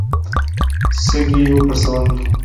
سږي يې وپړسول.